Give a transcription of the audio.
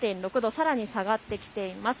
さらに下がってきています。